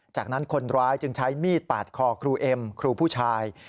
จากนั้นคนร้ายจึงใช้มีดปาดคอครูเอ็มครูผู้ชาย